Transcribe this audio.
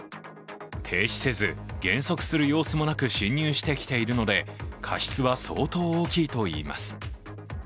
停止せず、減速する様子もなく進入してきているので過失は相当大きいといいます。